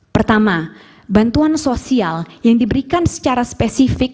pertama bantuan sosial yang diberikan secara spesifik